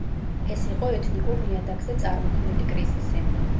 ეს იყო ეთნიკურ ნიადაგზე წარმოქმნილი კრიზისი.